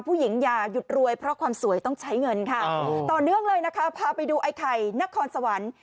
อย่าหยุดรวยเพราะความสวยต้องใช้เงินค่ะต่อเนื่องเลยนะคะพาไปดูไอ้ไข่นครสวรรค์